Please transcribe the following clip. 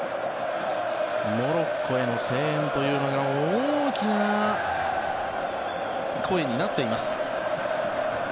モロッコへの声援が大きな声になっています。